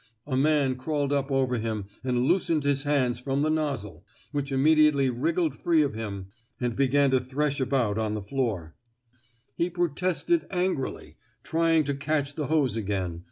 A man crawled up over him and loosened his hands from the nozzle — which immediately wriggled free of him and 239 THE SMOKE EATEES began to thresh about on the floor. He pro tested angrily, trying to catch the hose again.